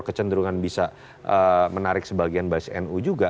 kecenderungan bisa menarik sebagian basis nu juga